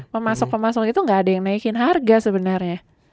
pemasok pemasok itu nggak ada yang naikin harga sebenarnya